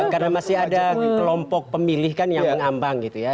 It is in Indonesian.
karena masih ada kelompok pemilih kan yang mengambang gitu ya